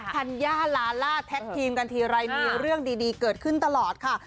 ธัญญาลาล่าแท็กทีมกันทีไรมีเรื่องดีเกิดขึ้นตลอดค่ะ